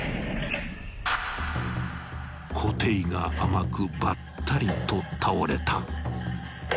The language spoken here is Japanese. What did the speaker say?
［固定が甘くばったりと倒れた］